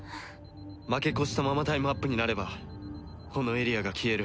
負け越したままタイムアップになればこのエリアが消える。